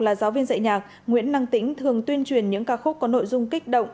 là giáo viên dạy nhạc nguyễn năng tĩnh thường tuyên truyền những ca khúc có nội dung kích động